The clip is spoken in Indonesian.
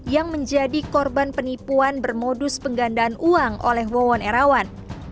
yang menjadi korban penipuan bermodus penggandaan uang oleh wawon erawan